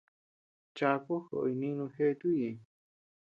Chaku joʼoy nínu jeʼe tuʼu ñeʼeñ.